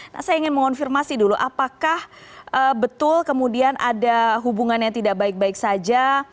saya ingin mengonfirmasi dulu apakah betul kemudian ada hubungannya tidak baik baik saja